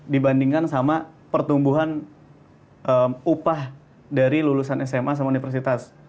dibandingkan sama pertumbuhan upah dari lulusan sma sama universitas